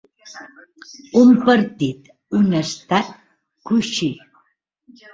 Un partit, un estat, coixí.